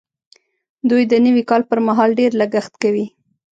دوی د نوي کال پر مهال ډېر لګښت کوي.